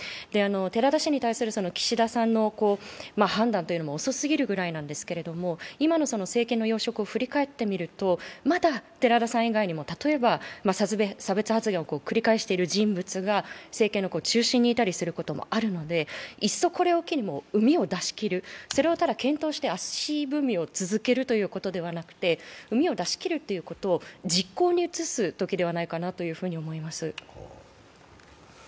寺田氏に対する岸田さんの判断というのも遅すぎるぐらいなんですけど今の政権の要職を振り返ってみるとまだ寺田さん以外にも、例えば差別発言を繰り返している人物が政権の中心にいたりすることもあるので、いっそこれを機にうみを出し切る、それをただ検討して足踏みを続けるのではなくてうみを出し切ることを実行に移すときではないかなと思います。